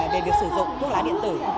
để được sử dụng thuốc lá điện tử